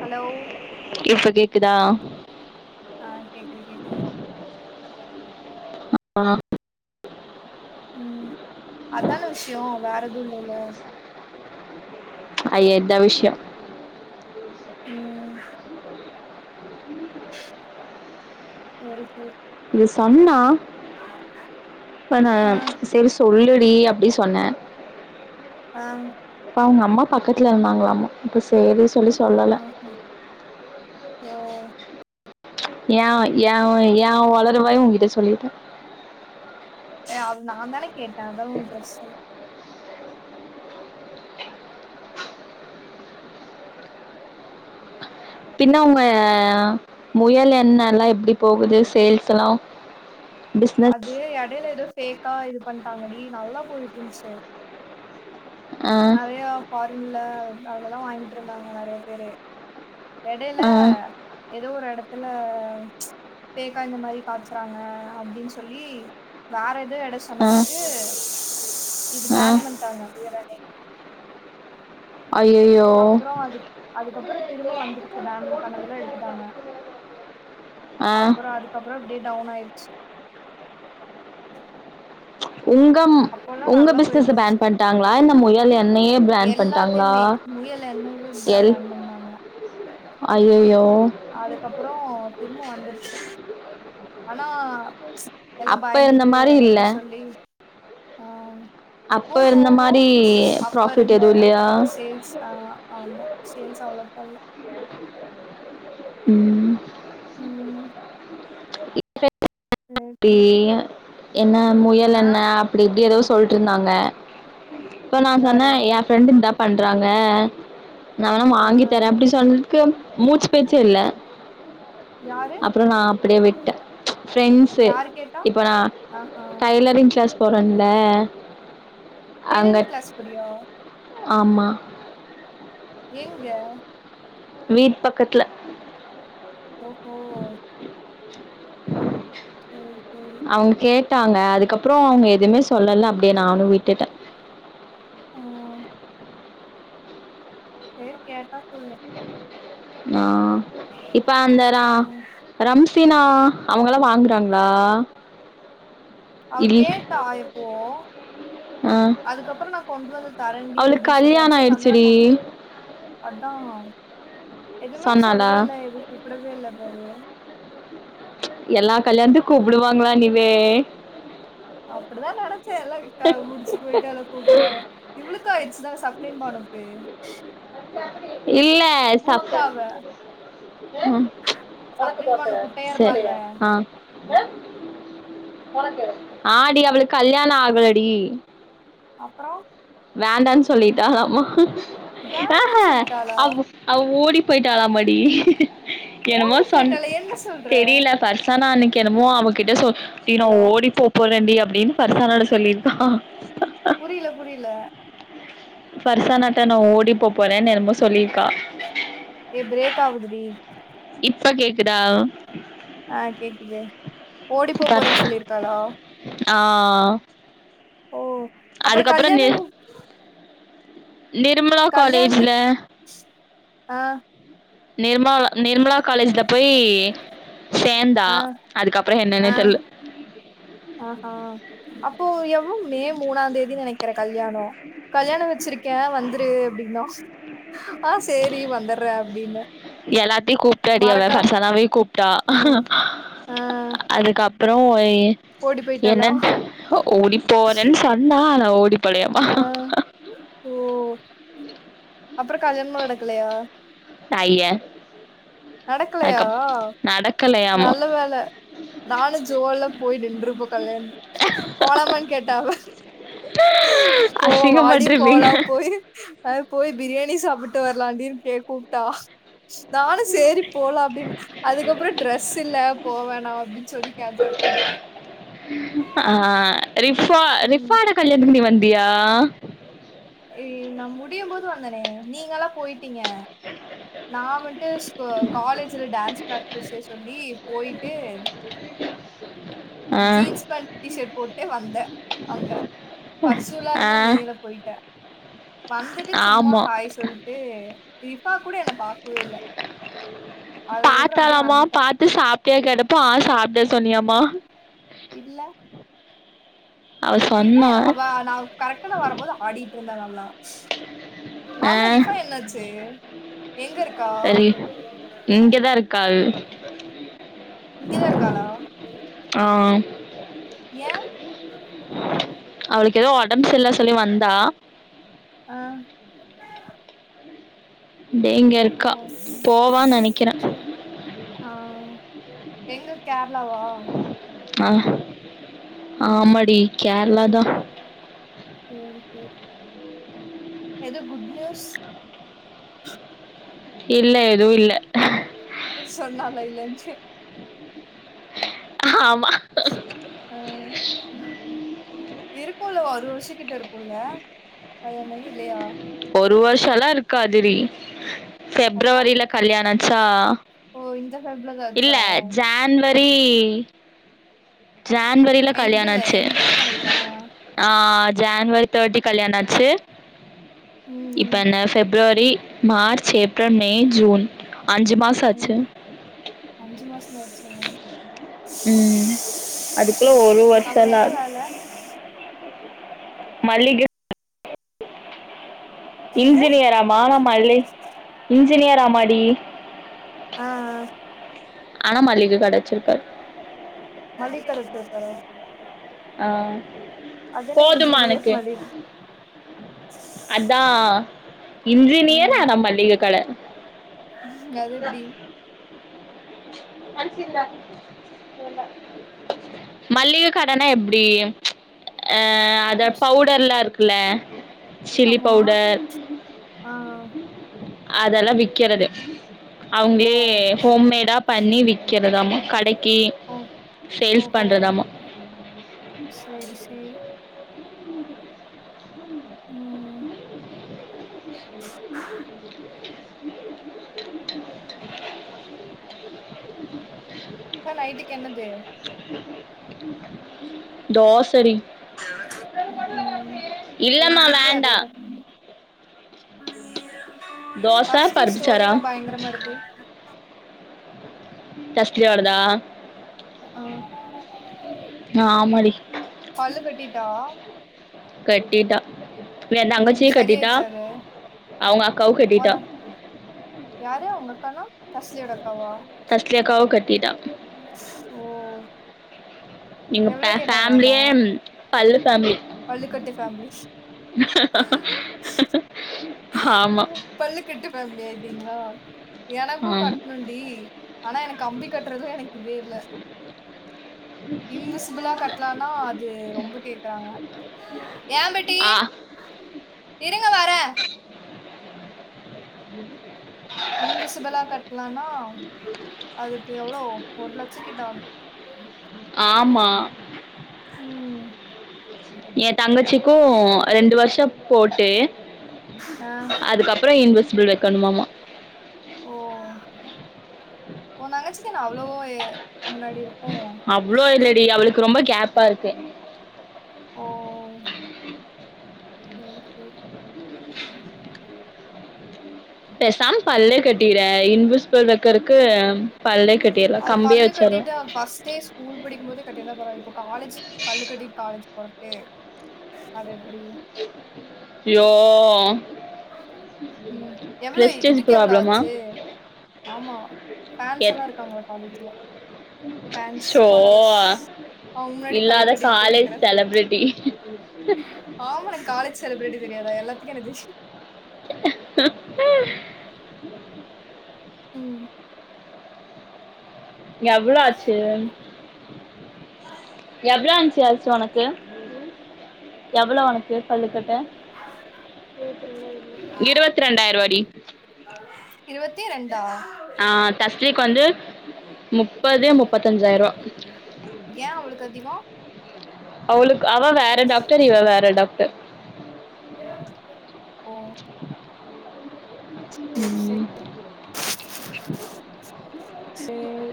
hello இப்ப கேக்குதா ஆ கேக்குது கேக்குது ஆ ம் அதான விஷ்யோ வேற எதுவு இல்லல்ல அய்ய இதா விஷ்யோ ம் சேரி சேரி இது சொன்னா இப்ப நா ஆ செரி சொல்லுடி அப்டி சொன்னே ஆ அப்ப அவுங்க அம்மா பக்கத்துல இருந்தாங்களாமா அப்ப சேரி சொல்லிச் ஆமா ஓ ஏ வாய் ஏ வாய் ஏ ஒளருவாய் உன்கிட்ட சொல்லிட்டே அது நா தான கேட்டே அதலா ஒன்னு பிரச்னல பின்ன உங்க முயல் எண்ணல்லா எப்டி போகுது சேல்ஸ்செல்லா அது இடையில ஏதோ ஃபேக்கா இது பண்ணிட்டாங்கடி நல்லா போயிட்ருந்துச்சு ஆ நறையா ஃபாரின்ல அதலெல்லா வாங்கிட்ருந்தாங்க நறைய பேரு எடைல ஆ எதோ ஒரு எடத்துல ப்ச் ஃபேக்கா இந்த மாரி காச்சுறாங்க அப்டின் சொல்லி வேற எது எட ஆ சொன்னதுக்கு இது ஆ பேன் பண்ட்டாங்க முயலமே ஐயய்யோ அப்புற வந்து அதுக்கப்பற திரும்ப வந்துருச்சு பேன் பண்ணதெல்லா எடுத்துட்டாங்க ஆ அப்ற அதுக்கப்பற இப்டியே டவுன் ஆயிச்சு உங்கம் அப்போல்லா உங்க நல்லா போயிட்டு பிஸ்னஸ்ஸ இருந்துச்சு பேண் பண்ட்டாங்ளா இல்ல முயல் எண்ணயே பேண் பண்ட்டாங்ளா முயலெண்ணைவே பேபேன் பண்டாங்க ஐயய்யோ அதுக்கப்புற திரும்ப வந்துருச்சா ஆனா எல்லா அப்ப இருந்த பயந்துட்டு மாரி இல்ல அப்டி சொல்லி அ அப்ப இருந்த மாரி ப்ராஃபிட் அப்பருந்த எதுவு இல்லையா சேல்ஸ் ஆஹா ஆமா சேல்ஸ் அவ்ளோக்கா இல்ல ம் ம் சேரி சேரி பேய என்ன ஆ முயலென்ன அப்டி இப்டி எதோ சொல்ட்டுருந்தாங்க இப்ப நா சொன்ன யாரு எ ஃப்ரெண்டு இந்தா பண்றாங்க நா வேணா ஆ வாங்கிதரே அப்புடி சொன்னதுக்கு மூச்சு பேச்சே இல்ல யாரு அப்பறோ நா அப்டியே விட்டே ஃபிரண்ட்ஸு யாரு கேட்டா இப்ப நா ஆஹா டை லரிங் க்ளாஸ் போறன்ல டெய்லரிங் க்ளாஸ் போரியோ ஆமா எங்க வீட் பக்கத்துல ஒஹோ [unintelligible] சேரி சேரி அவுங்க கேட்டாங்க அதுக்கப்பறோ அவுங்க எதுமே சொல்லல அப்டியே நானு விட்டுட்டே ஆ சேரி கேட்டா சொல்லு இப்ப வந்தரா ம் ரம்சினா அவுங்கல்லா வாங்குறாங்ளா அவ கேட்டா எப்போ ஆ அதுக்கப்பறோ நா கொண்டு வந்து தரெண்டி அவளுக்கு அப்டி சொல்லி கல்யாண அந்த சைடு வந்தனா ஆயிடுச்சுடி கொண் அத்தா எதுமே சொன்னாளா சொல்லவே இல்ல எது கூப்டவே இல்ல பாரு எல்லா கல்யாணத்துக் கூப்டுவாங்களா நிவே அப்புடிதா நெனச்சே எல்லா க முடிச்சு போய்ட்டாலோ கூப்புடு அவ இவுளுக்கு ஆய்ருச்சுதானே சஃப்ரின் பானுக்கு இல்ல கூப்ட்டா அவ அங் சப்ரின் பானு குட்டையா சேர் இருப்பாள்ல அங் ஆ டி அவளுக் கல்யாணோ ஆகலடி அப்பறோ வேண்டான் சொல்லிட்டாலாமா ஆஹ வேண்டான்னு சொல்லிட்டாளா அவ அவ ஓடி போய்ட்டாளாமாடி என்னமோ ஓடி சொன் போயிட்டாளா என்ன சொல்ற தெரில பர்சானா அன்னிக்கி என்னமோ அவகிட்ட சொ சி நா ஹலோ ஓடிப்போப் போறண்டி அப்டின்னு ஃபர்ஷானாட்ட சொல்லிருக்கா புரில புரில ஃபர்சானாட்ட நா ஓடி போ போறேன் எனமோ சொல்லிருக்கா ஏ ப்ரேக் ஆவுது டி இப்ப கேக்குதா ஆ கேக்குது ஓடி போ ஃபர் போறேன் சொல்லிருக்காளா ஆ ஓ அப்பறோ அதுக்கப்புறோ நி கல்யாணோ நிர்மலா காலேஜுல கல்யாணத்துக்கு ஆ நிர்மலா நிர்மலா காலேஜ்ல போயி சேந்தா ஆ அதுக்கப்பறோ என்னென்னே ஆ தெர்ல ஆஹா அப்போ எப்ப மே மூணாந்தேதின் நனைக்குற கல்யாணோ கல்யாணோ வெச்சிருக்கே வந்துரு அப்டின்னா ஆ சேரி வந்தற்றே அப்டின்ன எல்லாத்தையு கூப்ட்டா டி அவ பர்சனாவையு கூப்ட்டா ஆ ஆ அதுக்கப் அப்புற ஓடி போயிட்டாளா என்னன் ஓடி போறேன்னு சொன்னா ஆனா ஓடிப் போலையாமா ஆ ஓ அப்புற கல்யாணம் நடக்கலையா ஐய நடக்கலையா நடக்கலையாமா நல்ல வேல நானு ஜோ எல்லா போயி நின்ருப்போ கல்யாண போலாமான் கேட்டா அவ போ வாடி அசிங்கப்பட்ருப்பீங்க போலா போய் அ போய் பிரியாணி சாப்பிட்டு வரலாடின்னு கே கூப்ட்டா நான் சேரி போலா அப்டின்னு அதுக்கப்புற ட்ரெஸ் இல்ல போ வேணா அப்டின்னு சொல்லி கேன்சல் பண்ட்டோ ஆ ரிஃபா ம் ரிஃபானா கல்யாணத்துக்கு நீ வந்தியா ஏ நா முடியுபோது வந்தேனே நீங்கல்லா போய்ட்டீங்க நா வந்ட்டு காலேஜ்ல டான்ஸ் பிராக்டிஸே சொல்லி போயிட்டு ஆ ஜீன்ஸ் பேண்ட் டி ஷர்ட் போட்டே வந்தே அங்க பர்சுலா ஆ இருந்தா நீ என்ன போய்ட்ட வந்துட்டு சும்மா ஆமா ஹாய் சொல்ட் டு ரிஃபா கூட என்ன பாக்கவே இல்ல அதுக்கப்புறோ அப்டியே பாத்தாலாமா வந்ட்டே பாத் து சாப்ட்டியா கேட்டப்ப ஆ சாப்டே சொன்னியாம்மா இல்ல அவ சொன்னா ரிஃபாயா அவ நா கரெக்டான வரும்போது ஆடிட்டு இருந்தா நல்லா ஆ ஆமா ரிஃபாயா என்னாச்சு எங்க இருக்கா சரி இங்கதா இருக்கா இங்கதா இருக்காளா ஆ ஏ அவ்ளுக்கு எதோ ஒடம்பு சரி இல்ல சொல்லி வந்தா ஆ அப்டியே இங்க ஓஹோ இருக்கா போவான்னு நெனைக்கிறே செரி ஆ எங்க கேர்ளாவா ஆ ஆமா ம் டி கேர்ளா தா சேரி சேரி எதும் குட் நியூஸ் இல்ல எதுவு இல்ல சொன்னால இல்லண்டு ஆமா ஆ இருக்குல்ல ஒரு வருஷோ கிட்ட இருக்குல்ல கல்யாணமாகி இல்லையா ஒரு வர்ஷொல்லா இருக்காதுடி அப்புறோ ஃபிப்ரவரில கல்யாண ஆச்சா ஓ இந்த ஃபெப்லதா இல்ல ஆச்சா ஜான்வரி ஜான்வரில கல்யாண எண்டுல ஆச்சு எண்டுல நெனைக்கிறே ஆ ஆ ஜான்வரி தேர்ட்டி கல்யாண ஆச்சு இப்ப ம் என்ன February March April May June அஞ்சு மா ம் அஞ்சு மாஸ்தா ஆச்சா ம் அதுக்குள்ள சேரி ஒரு சேரி அவரு வருஷல்ல என்ன வேல மல்லிக என்னது இன்ஜினியரா மானமல்லி இன்ஜினியரா மாடி அ அ ஆனா மல்லிக கடைச்சிருக்காரு மல்லிகிக்கட வச்சிர்க்காரா ஆ அது என்ன போதுமா இன்ஜினியர் எனக்கு மளிக அதா இன்ஜினியர் ஆனா மளிக கட ம் அது எப்டி அனசந்தா மல்லிக கடனா எப்டி அ அத பவுடர்லா இருக்குல்ல சில்லி ஆமா பவுடர் ஆ அதெல்லா விக்கறது ஓ அவுங்ளே ஹோம்மேடா பண்ணி விற்கிறதாமா கடைக்கு சேல்ஸ் பண்ணறதாமா செரி செரி ம் இப்ப நைட்டுக்கு என்னது தோச டி ம் எங்க இல்லமா வீட்லயு வேண்டா அதேதா தோச ஃஸ்டி பருப்புச்சாரா ஸ்டோரில பயங்கரமா இருக்கு டஸ்டியோடதா ஆ ஆமாடி பல்லு கட்டிட்டா கட்டிட்டா ஏன் ம் தங்கட்சியு கட்டிட்டா சரியாயிடுச்சு அது அவுங்க அக்காவு கட்டிட்டா ஓன யாரு அவுங்க அக்கான்னா தஸ்லியோட அக்காவா தஸ்லி அக்காவு கட்டிடா ஓ நீங்க எவ்ளோ பே ஃபேமிலியே பல்லு ஃபேமிலி பள்ளிக்கட்டு ஃவேமிலி ஆமா பல்லு கட்டு ஃபோமிலி ஆயிட்டிங்ளா எனக்கு ஆமா கட்ணுன் டி ஆனா எனக் கம்பி கட்றதுல எனக்கு இதே இல்ல இன்விசிபிளா கட்லானா அது ரொம்ப கேக்கறாங்க இருங் உம் இன்விசிபளா கட்டலானா அதுக்கு எவ்ளோ ஒரு லட்ச கிட்ட ஆகு ஆமா ம் என் தங்கச்சிக்கு ரெண்டு வர்ஷப் போட்டு ஆ அதுக்கப்றோ இன்விசிபிள் வக்கணுமாமா ஓ ஓ தங்கச்சிக்கு என்ன அவ்ளோ முன்னாடி இருக் அவ்ளோ இல்லடி அவளுக் ரொம்ப கேப்பா இருக்கு ஓ செரி செரி பேசாம பல்லே கட்டிறே இன்விஸபல் வைக்கறக்கு பல்லே கட்டிடலா அது கம்பியே பல்லு வச்சிடலா கட்டிட்டா ஃபர்ஸ்ட்டே ஸ்கூல் படிக்கு போதே கட்டிருத்தா பரவால இப்போ காலேஜ் பல்லு கட்டிட்டு காலேஜ் போறக்கு அது எப்டி ஐயோ ம் எவ்ளோ பிரஸ்டேஜ் இதுக்கு எவ்ளோ ப்ராப்ளமா ஆச்சு ஆமா ஃபேன்ஸ் எல்லா இருக்காங்கள காலேஜ்ல ஃபேன்ஸ் ச்சோ ஃபாலோவர்ஸ் அவங்க முன்னாடி பல்லு இல்லாத கட்டிட்டு போய் காலேஜ் நிக்கிறது செலப்ரிட்டி ஆமா நா காலேஜ் செலிப்ரிட்டி தெரியாதா எல்லாத்துக்கு என்ன தெரியு ம் எவ்ளோ ஆச்சு எவ்ளோ ஆன்சு [unintelligible] உனக்கு எவ்ளோ உனக்கு பல்லு கட்ட இரவத்தி ரெண்டாயிர வாடி இரவத்தி ரெண்டா ஆ தஸ்லீக்கு வந்து முப்பது முப்பத்தஞ்சாய்ரோவா ஏ அவளுக்கு அதிகோ அவளுக்கு அவ வேற டாக்டர் இவ வேற டாக்டர் ஓ ம் செரி செரி